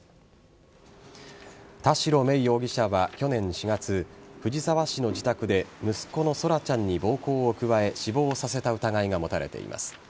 田代芽衣容疑者は去年４月藤沢市の自宅で息子の空来ちゃんに暴行を加え死亡させた疑いが持たれています。